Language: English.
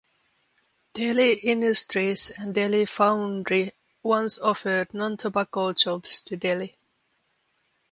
Delhi Industries and Delhi Foundry once offered non-tobacco jobs to Delhi.